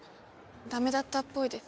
駄目だったっぽいです。